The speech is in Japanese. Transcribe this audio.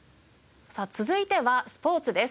さあ続いてはスポーツです。